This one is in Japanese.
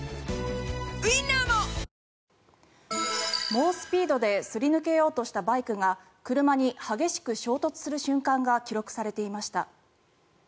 猛スピードですり抜けようとしたバイクが車に激しく衝突する瞬間が記録されていました。